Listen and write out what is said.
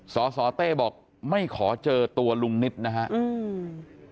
สสเต้บอกไม่ขอเจอตัวลุงนิตนะฮะอืม